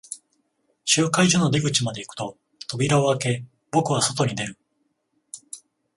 集会所の出口まで行くと、扉を開け、僕は外に出る。